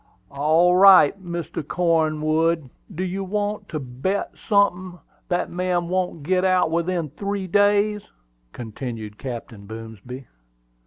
"All right, Mr. Cornwood. Do you want to bet sunthin' that man won't git out within three days?" continued Captain Boomsby.